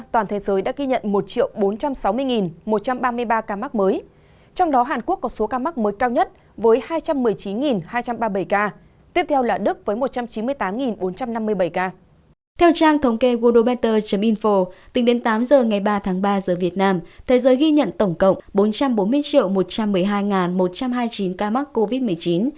trong hai mươi bốn giờ qua toàn thế giới ghi nhận một bốn trăm sáu mươi một trăm ba mươi ba ca mắc mới